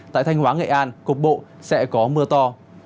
tại thanh hóa nghệ an cục bộ sẽ có mưa to